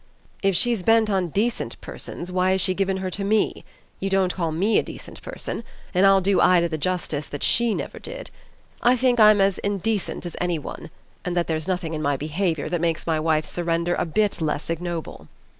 "If she's bent on decent persons why has she given her to ME? You don't call me a decent person, and I'll do Ida the justice that SHE never did. I think I'm as indecent as any one and that there's nothing in my behaviour that makes my wife's surrender a bit less ignoble!"